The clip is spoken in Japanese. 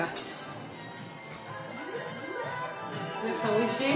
おいしい？